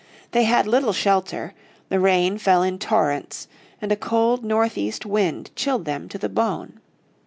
They had little shelter, the rain fell in torrents, and a cold northeast wind chilled them to the bone.